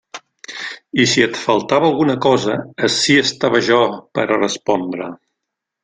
I si et faltava alguna cosa, ací estava jo per a respondre.